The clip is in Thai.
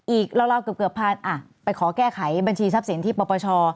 อีกราวเกือบพันอ่ะไปขอแก้ไขบัญชีทรัพย์สินที่ปปช